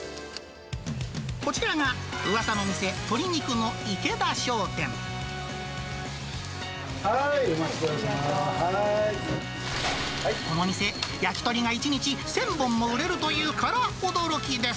こちらが、うわさの店、はい、この店、焼き鳥が１日１０００本も売れるというから驚きです。